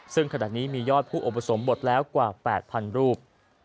ซึ่งขณะนี้มียอดผู้อุปสมบทแล้วกว่า๘๐๐รูป